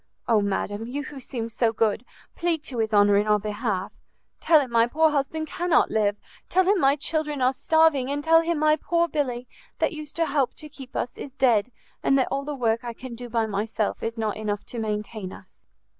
Oh, madam! you who seem so good, plead to his honour in our behalf! tell him my poor husband cannot live! tell him my children are starving! and tell him my poor Billy, that used to help to keep us, is dead, and that all the work I can do by myself is not enough to maintain us!"